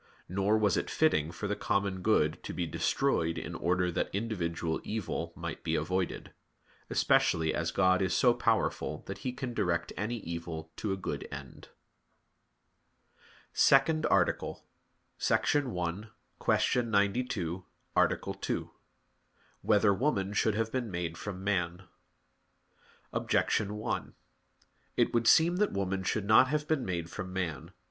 Nor was it fitting for the common good to be destroyed in order that individual evil might be avoided; especially as God is so powerful that He can direct any evil to a good end. _______________________ SECOND ARTICLE [I, Q. 92, Art. 2] Whether Woman Should Have Been Made from Man? Objection 1: It would seem that woman should not have been made from man.